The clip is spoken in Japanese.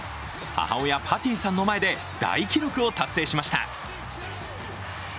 母親・パティさんの前で大記録を達成しました。